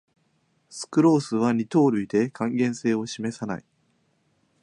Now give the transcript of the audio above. スクロースは二糖類で還元性を示さない